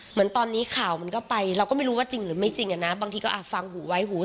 เหมือนตอนนี้ข่าวมันก็ไปเราก็ไม่รู้ว่าจริงหรือไม่จริงอะนะบางทีก็ฟังหูไว้หู